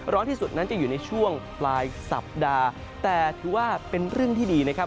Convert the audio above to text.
ร้อนที่สุดนั้นจะอยู่ในช่วงปลายสัปดาห์แต่ถือว่าเป็นเรื่องที่ดีนะครับ